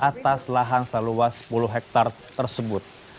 atas lahan seluas sepuluh hektare tersebut